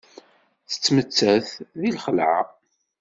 Tettmettat deg lxelɛa.